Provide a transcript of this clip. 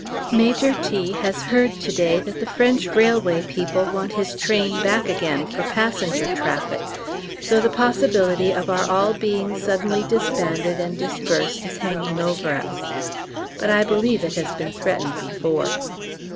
Major T. has heard to day that the French railway people want his train back again for passenger traffic, so the possibility of our all being suddenly disbanded and dispersed is hanging over us; but I believe it has been threatened before.